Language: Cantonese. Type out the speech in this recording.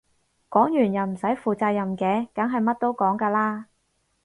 講完又唔使負責嘅梗係乜都講㗎啦